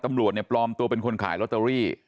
ตำรวจเนี่ยปลอมตัวเป็นคนขายลอตเตอรี่